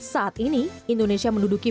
saat ini indonesia menduduki